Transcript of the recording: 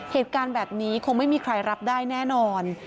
เหตุการณ์แบบนี้คงไม่มีใครรับได้แน่นอน